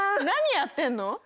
何やってんの？